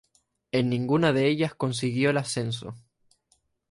En ninguna de ellas consiguió el ascenso.